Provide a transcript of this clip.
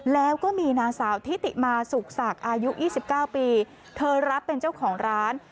แล้วก็มีนางสาวทิติมาสุขศักดิ์อายุ๒๙ปีเธอรับเป็นเจ้าของร้าน